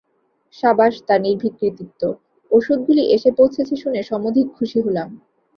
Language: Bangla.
সাবাস তাঁর নির্ভীক কৃতিত্ব! ঔষধগুলি এসে পৌঁছেছে শুনে সমধিক সুখী হলাম।